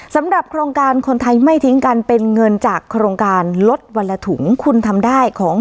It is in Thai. สำหรับโครงการคนไทยไม่ทิ้งกันเป็นเงินจากโครงการลดวันละถุงคุณทำได้ของ